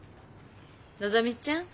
のぞみちゃん。